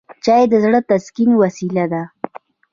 چای د زړه د تسکین وسیله ده